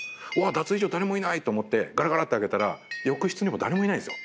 脱衣所誰もいないと思ってガラガラって開けたら浴室にも誰もいないんですよ。